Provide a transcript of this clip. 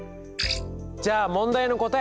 じゃあ問題の答え